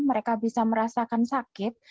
mereka bisa merasakan sakit